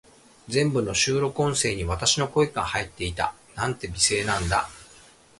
全部の収録音声に、私の声が入っていた。なんて美声なんだ。